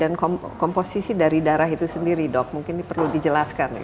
dan komposisi dari darah itu sendiri dok mungkin ini perlu dijelaskan